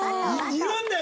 いるんだよ